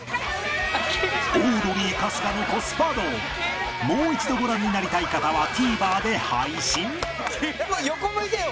『オードリー春日のコスパ道』もう一度ご覧になりたい方はＴＶｅｒで配信。